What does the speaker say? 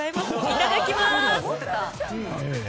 いただきます！